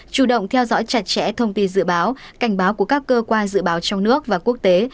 chủ động theo dõi chặt chẽ thông tin dự báo cảnh báo của các cơ quan dự báo trong nước và quốc tế